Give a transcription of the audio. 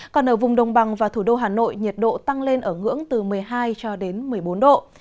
còn ở vùng đồng bằng và thủ đô hà nội nhiệt độ tăng lên ở ngưỡng từ một mươi hai cho đến một mươi bốn độ